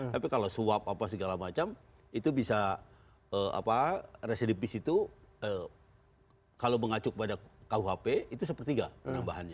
tapi kalau suap apa segala macam itu bisa residipis itu kalau mengacu pada kuhp itu sepertiga penambahannya